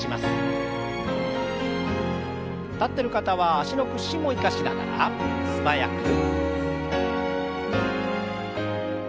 立ってる方は脚の屈伸も生かしながら素早く。